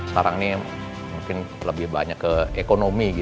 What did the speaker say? karang ni makin lebih banyak ke ekonomi